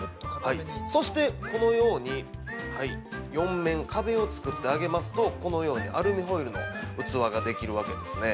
そして、このように４面、壁を作ってあげますと、このようにアルミホイルの器ができるわけですね。